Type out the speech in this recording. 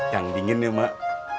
yang dingin ya mak